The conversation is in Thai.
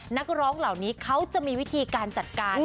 นักร้องเหล่านี้เขาจะมีวิธีการจัดการ